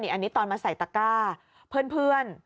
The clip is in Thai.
อันนี้ตอนมาใส่ตะก้าเพื่อน